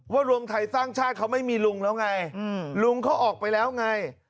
รวมไทยสร้างชาติเขาไม่มีลุงแล้วไงลุงเขาออกไปแล้วไง